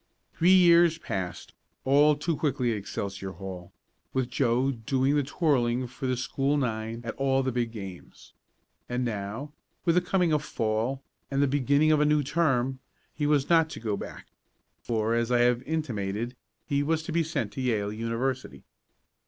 Three years passed, all too quickly, at Excelsior Hall, with Joe doing the twirling for the school nine at all the big games. And now, with the coming of Fall, and the beginning of the new term, he was not to go back, for, as I have intimated, he was to be sent to Yale University.